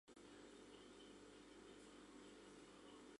Тиде коалицийлан пашазе калык ок кӧнӧ.